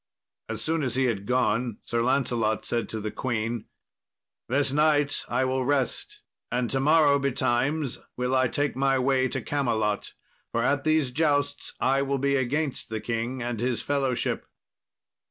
As soon as he had gone, Sir Lancelot said to the queen, "This night I will rest, and to morrow betimes will I take my way to Camelot; for at these jousts I will be against the king and his fellowship."